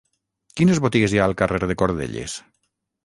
Quines botigues hi ha al carrer de Cordelles?